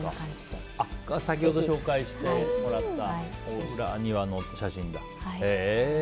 先ほど紹介してもらった庭の写真だ。